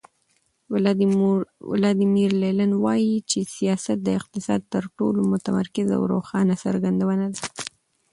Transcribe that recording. ولادیمیر لینین وایي چې سیاست د اقتصاد تر ټولو متمرکزه او روښانه څرګندونه ده.